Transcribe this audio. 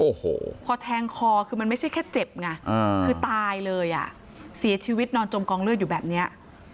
โอ้โหพอแทงคอคือมันไม่ใช่แค่เจ็บไงคือตายเลยอ่ะเสียชีวิตนอนจมกองเลือดอยู่แบบเนี้ย